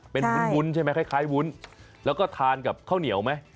เป็นวุ้นใช่ไหมคล้ายวุ้นแล้วก็ทานกับข้าวเหนียวไหม